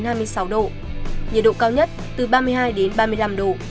nhiệt độ cao nhất từ ba mươi hai ba mươi năm độ